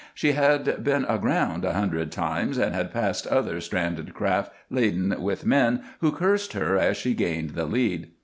She had been aground a hundred times and had passed other stranded craft laden with men who cursed her as she gained the lead.